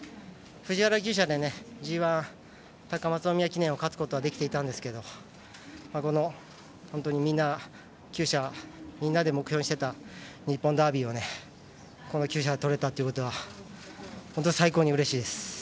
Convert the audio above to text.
藤原きゅう舎でＧＩを勝つことはできてたんですけどみんな、きゅう舎みんなで目標にしていた日本ダービーをこのきゅう舎が取れたということは本当に最高にうれしいです。